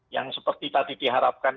yang seperti tadi diharapkan